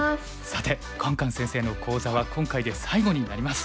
さてカンカン先生の講座は今回で最後になります。